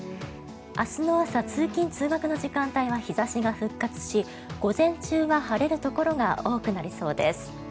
明日の朝、通勤・通学の時間帯は日差しが復活し午前中は晴れるところが多くなりそうです。